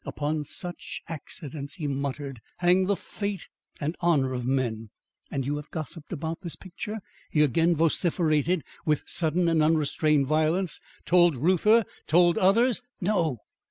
"Upon such accidents," he muttered, "hang the fate and honour of men. And you have gossiped about this picture," he again vociferated with sudden and unrestrained violence, "told Reuther told others " "No."